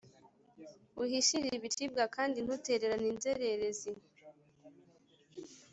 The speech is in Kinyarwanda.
uhishire ibicibwa, kandi ntutererane inzererezi.